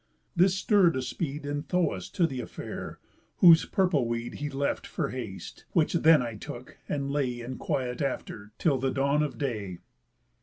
This stirr'd a speed In Thoas to th' affair; whose purple weed He left for haste; which then I took, and lay In quiet after, till the dawn of day.